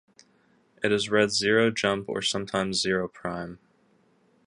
It is read "zero-jump" or sometimes "zero-prime".